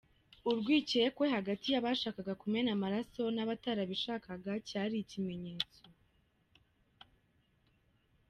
Urwikekwe hagati y’abashakaga kumena amaraso n’abatarabishakaga cyari ikimenyetso.